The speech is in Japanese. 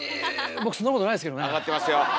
僕そんなことないですけどねえ。